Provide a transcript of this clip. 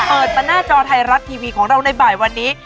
เปิดมาหน้าจอไทยรัฐทีวีของเราในบ่ายวันนี้